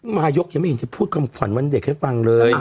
นายกยังไม่เห็นจะพูดคำขวัญวันเด็กให้ฟังเลย